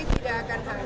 tidak akan hangus